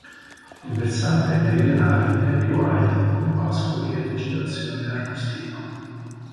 Il versante meridionali è più arido, con pascoli e vegetazione arbustiva.